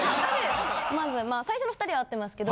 まず最初の２人は合ってますけど。